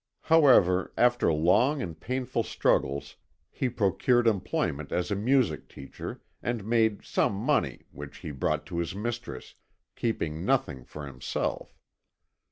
However, after long and painful struggles, he procured employment as a music teacher, and made some money, which he brought to his mistress, keeping nothing for himself.